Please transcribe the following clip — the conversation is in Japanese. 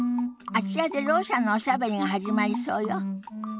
あちらでろう者のおしゃべりが始まりそうよ。